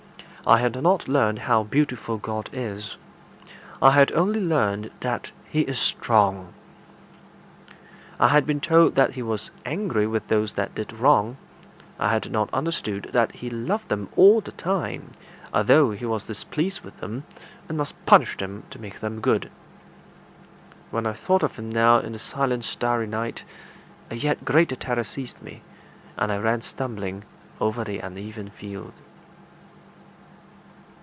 I had not learned how beautiful God is; I had only learned that he is strong. I had been told that he was angry with those that did wrong; I had not understood that he loved them all the time, although he was displeased with them, and must punish them to make them good. When I thought of him now in the silent starry night, a yet greater terror seized me, and I ran stumbling over the uneven field.